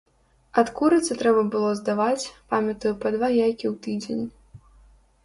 Ад курыцы трэба было здаваць, памятаю, па два яйкі ў тыдзень.